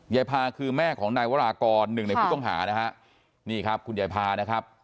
พาคือแม่ของนายวรากรหนึ่งในผู้ต้องหานะฮะนี่ครับคุณยายพานะครับ